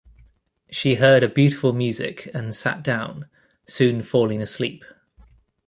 She heard beautiful music and sat down, soon falling asleep.